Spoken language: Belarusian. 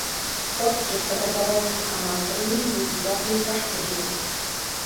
Порт, як патрабавалася камандаваннем, быў узяты непашкоджаным.